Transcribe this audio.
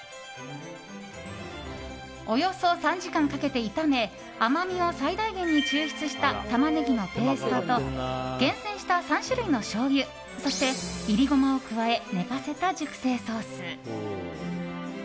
およそ３時間かけて炒め甘みを最大限に抽出したタマネギのペーストと厳選した３種類のしょうゆそして、いりゴマを加え寝かせた熟成ソース。